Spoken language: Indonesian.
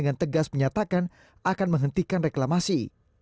dengan tegas menyatakan akan menghentikan reklamasi